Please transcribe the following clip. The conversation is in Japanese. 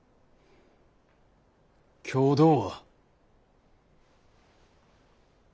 共同は？